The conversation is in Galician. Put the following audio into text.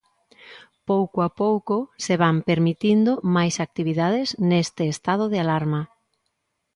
Pouco a pouco se van permitindo máis actividades neste estado de alarma.